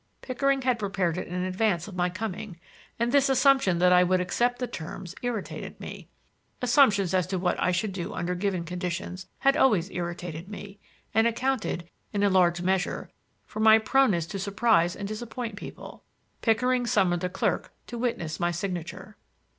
Pickering had prepared it in advance of my coming, and this assumption that I would accept the terms irritated me. Assumptions as to what I should do under given conditions had always irritated me, and accounted, in a large measure, for my proneness to surprise and disappoint people. Pickering summoned a clerk to witness my signature.